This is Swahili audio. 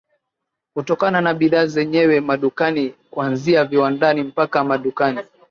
kutokana na bidhaa zenyewe madukani kwanzia viwandani mpaka madukani